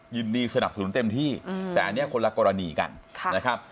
ยินดีสนับสนุนเต็มที่อืมแต่อันเนี้ยคนละกรณีกันค่ะนะครับ